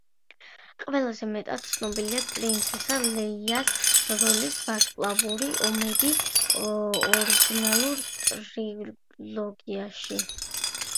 ყველაზე მეტად ცნობილია პრინცესა ლეიას როლით „ვარსკვლავური ომების“ ორიგინალურ ტრილოგიაში.